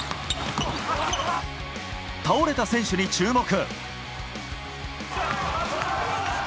倒れた選手に注目。